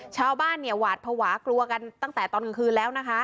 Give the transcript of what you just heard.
ชาวบ้านหวาดพวากลัวกันตั้งแต่ตอนกลางคืนแล้ว